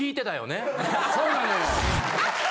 そうなのよ。